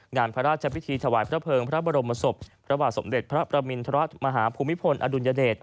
งานพระราชพิธีถวายพระเภิงพระบรมศพพระบาทสมเด็จพระประมินทรมาฮภูมิพลอดุลยเดช